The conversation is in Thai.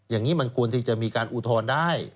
อย่างนี้มันควรที่จะมีการอุทธรณ์ได้